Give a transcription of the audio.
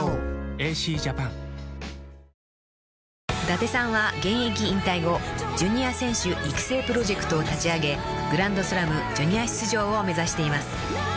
［伊達さんは現役引退後ジュニア選手育成プロジェクトを立ち上げグランドスラムジュニア出場を目指しています］